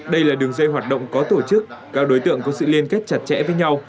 đây là đường dây hoạt động có tổ chức các đối tượng có sự liên kết chặt chẽ với nhau